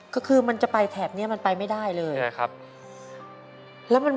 ก็คือมันจะไปแถบนี้มันไปไม่ได้เลย